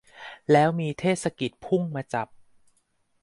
แล้วมีเทศกิจพุ่งมาจับ